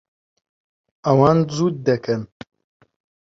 ئەوان جووت دەکەن.